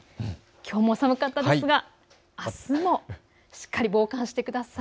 きょうも寒かったですがあすも、しっかり防寒してください。